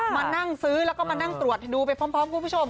มานั่งซื้อแล้วก็มานั่งตรวจดูไปพร้อมคุณผู้ชม